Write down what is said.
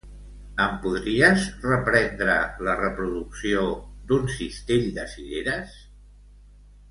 Em podries reprendre la reproducció d'"Un cistell de cireres"?